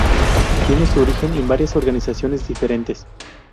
Tiene su origen en varias organizaciones diferentes.